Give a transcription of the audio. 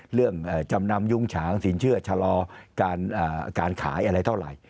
จำนำยุ้งฉางสินเชื่อชะลอการขายอะไรเท่าไหร่